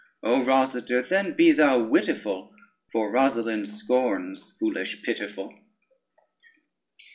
O Rosader, then be thou wittiful, For Rosalynde scorns foolish pitiful.